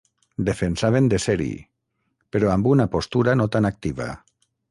Defensaven de ser-hi, però amb una postura no tan activa.